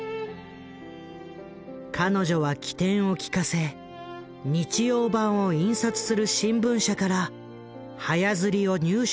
彼女は機転を利かせ日曜版を印刷する新聞社から早刷りを入手していた。